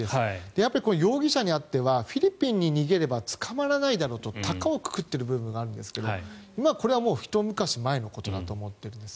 やっぱり容疑者にとってはフィリピンに逃げれば捕まらないだろうと高をくくっている部分があるんですがこれはひと昔前のことだと思っているんです。